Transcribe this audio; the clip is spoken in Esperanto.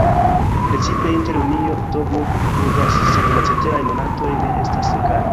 Precipe inter junio-oktobro pluvas, sed la ceteraj monatoj ne estas sekaj.